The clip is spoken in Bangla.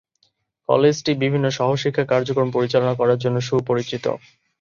কলেজটি বিভিন্ন সহশিক্ষা কার্যক্রম পরিচালনা করার জন্য সুপরিচিত।